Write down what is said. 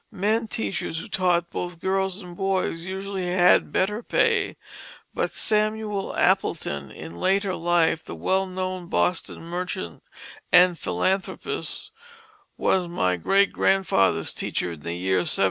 Men teachers who taught both girls and boys usually had better pay; but Samuel Appleton, in later life the well known Boston merchant and philanthropist, was my great grandfather's teacher in the year 1786.